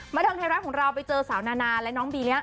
มาเดินให้รักของเรามาเจอสาวนานาและน้องบีเนี่ย